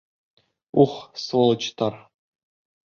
Ух, сволочтар!